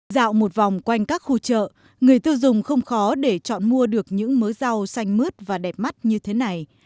dạo một vòng quanh các khu chợ người tiêu dùng không khó để chọn mua được những mớ rau xanh mướt và đẹp mắt như thế này